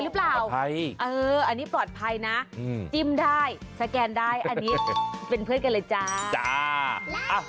และอันนี้เป็นเพื่อนกันเลยจ้า